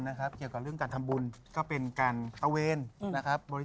แจ๊คจิลวันนี้เขาสองคนไม่ได้มามูเรื่องกุมาทองอย่างเดียวแต่ว่าจะมาเล่าเรื่องประสบการณ์นะครับ